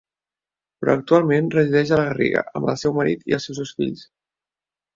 Però actualment, resideix a la Garriga amb el seu marit i els seus dos fills.